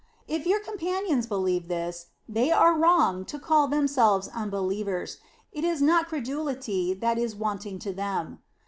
If your companions believe this, they are wrong to call themselves unbelievers: it is not cre dulity that is wanting to them.